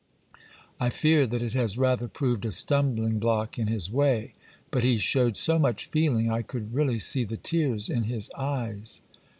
I fear that it has rather proved a stumbling block in his way; but he showed so much feeling! I could really see the tears in his eyes.